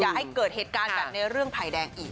ให้เกิดเหตุการณ์แบบในเรื่องภัยแดงอีก